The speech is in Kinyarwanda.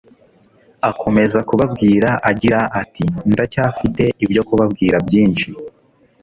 Akomeza kubabwira agira ati: "Ndacyafite ibyo kubabwira byinshi,